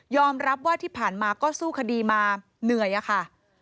รับว่าที่ผ่านมาก็สู้คดีมาเหนื่อยอะค่ะ